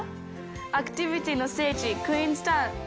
アクティビティの聖地クィーンズタウン。